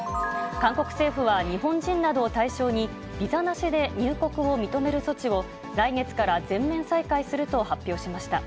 韓国政府は日本人などを対象に、ビザなしで入国を認める措置を、来月から全面再開すると発表しました。